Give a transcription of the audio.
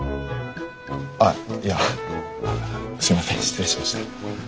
ああいやすいません失礼しました。